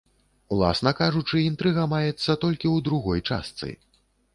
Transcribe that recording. Уласна кажучы, інтрыга маецца толькі ў другой частцы.